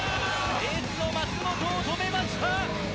エースの舛本を止めました。